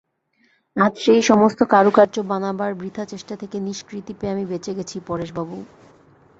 আজ সেই-সমস্ত কারুকার্য বানাবার বৃথা চেষ্টা থেকে নিষ্কৃতি পেয়ে আমি বেঁচে গেছি পরেশবাবু!